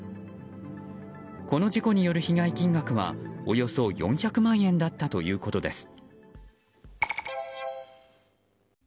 この事故による被害金額はおよそ４００万円だったということです。